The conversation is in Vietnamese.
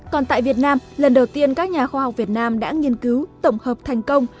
còn tại việt nam lần đầu tiên các nhà khoa học việt nam đã nghiên cứu tổng hợp thành công